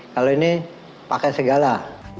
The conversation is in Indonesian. kalau ini pakai segala